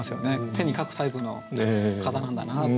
手に書くタイプの方なんだなって。